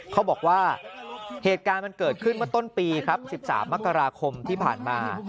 เขาบอกว่าเหตุการณ์มันเกิดขึ้นเมื่อต้นปีครับ๑๓มกราคมที่ผ่านมา